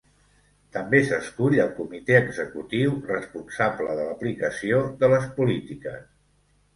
També s'escull al Comitè Executiu, responsable de l'aplicació de les polítiques.